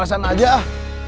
kamu mah memang alasan aja ah